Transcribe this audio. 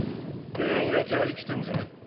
運よきゃ生きてんじゃね？